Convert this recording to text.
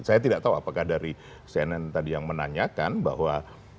saya tidak tahu apakah dari cnn tadi yang menanyakan bahwa